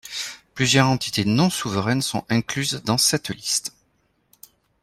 Plusieurs entités non-souveraines sont incluses dans cette liste.